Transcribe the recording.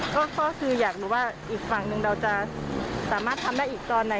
ก็คืออยากรู้ว่าอีกฝั่งหนึ่งเราจะสามารถทำได้อีกตอนไหน